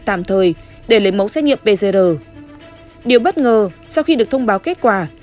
tạm thời để lấy mẫu xét nghiệm pcr điều bất ngờ sau khi được thông báo kết quả